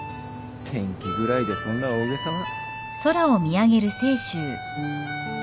天気ぐらいでそんな大げさな。